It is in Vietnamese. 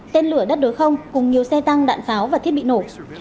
tên lửa đất đối không cùng nhiều xe tăng đạn pháo và thiết bị nổ